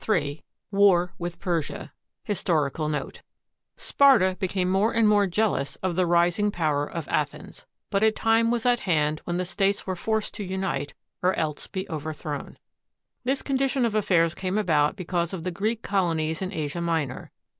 Ill WAR WITH PERSIA HISTORICAL NOTE Sparta became more and more jealous of the rising power of Athens; but a time was at hand when the states were forced to unite or else be overthrown. This condition of affairs came about because of the Greek colonies in Asia Minor.